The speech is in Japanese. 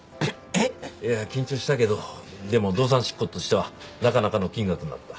いや緊張したけどでも動産執行としてはなかなかの金額になった。